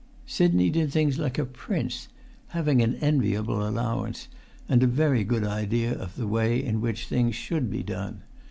Sidney did things like a prince, having an enviable allowance, and a very good idea of the way in which things should be done.